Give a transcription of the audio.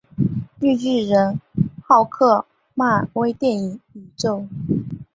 绿巨人浩克漫威电影宇宙